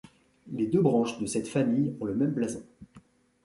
Les deux branches de cette famille ont le même blason.